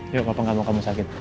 yuk apa nggak mau kamu sakit